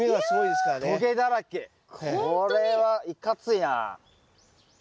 これはいかついな。